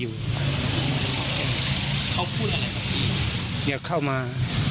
คู่ว่าอย่าเข้ามา